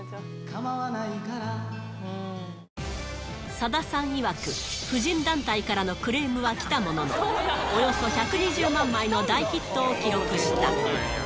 さださんいわく、婦人団体からのクレームはきたものの、およそ１２０万枚の大ヒットを記録した。